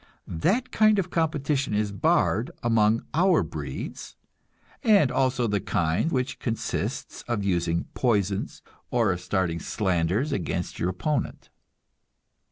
That kind of competition is barred among our breeds; and also the kind which consists of using poisons, or of starting slanders against your opponent.